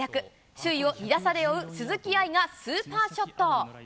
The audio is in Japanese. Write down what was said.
首位を２打差で追う鈴木愛がスーパーショット。